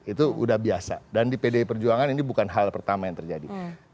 itu udah biasa dan di pdi perjuangan ini bukan hal pertama yang terjadi